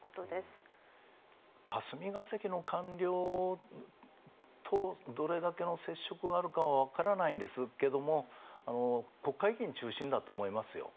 霞が関の官僚とどれだけの接触があるかはわからないんですけども国会議員中心だと思いますよ。